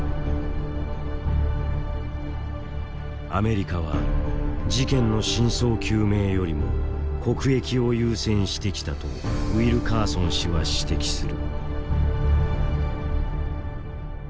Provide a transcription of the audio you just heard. アメリカは事件の真相究明よりも国益を優先してきたとウィルカーソン氏は指摘する。